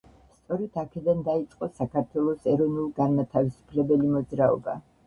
სწორედ აქედან დაიწყო საქართველოს ეროვნულ-განმათავისუფლებელი მოძრაობა.